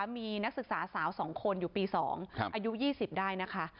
มีนักศึกษาสาว๒คนอยู่ปี๒อายุ๒๐ได้นะคะ